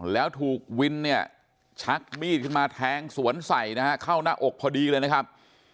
แล้วถูกวินเนี่ยชักมีดขึ้นมาแทงสวนใส่นะฮะเข้าหน้าอกพอดีเลยนะครับ